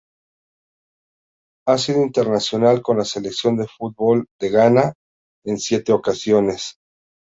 Ha sido internacional con la selección de fútbol de Ghana en siete ocasiones.